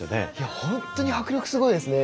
本当に迫力すごいです。